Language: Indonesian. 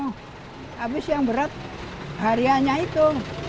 habis yang berat harianya itu